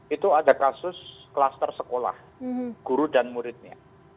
itu ada kasus klaster sekolah guru dan muridnya